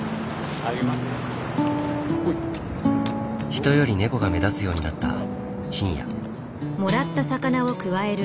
人より猫が目立つようになった深夜。